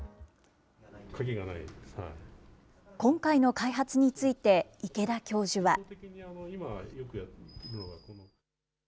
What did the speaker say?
今回の開発について池田教授は。